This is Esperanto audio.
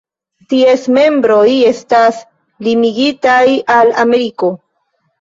Ties membroj estas limigitaj al Ameriko.